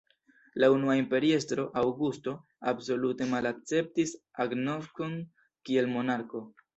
La unua imperiestro, Aŭgusto, absolute malakceptis agnoskon kiel monarko.